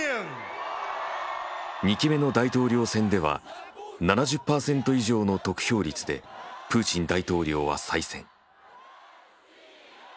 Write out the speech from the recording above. ２期目の大統領選では７０％以上の得票率でプーチン大統領は再選。